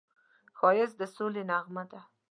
ښایست د سولې نغمه ده